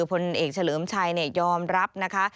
พนเอกเฉลิมทรายนี่ยอมรับนะคะ